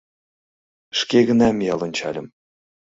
Шке гына миял ончальым -